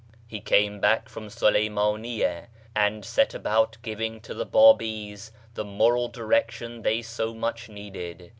He came back from Sulalmanyiah, and set about giving to the Babis the moral direction they so much needed.